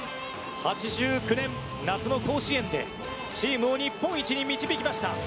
８９年夏の甲子園でチームを日本一に導きました。